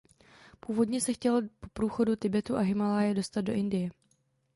Původně se chtěl po průchodu Tibetu a Himálaje dostat do Indie.